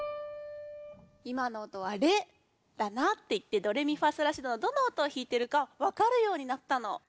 いまの音は「レ」だなっていってドレミファソラシドのどの音をひいてるかわかるようになったの。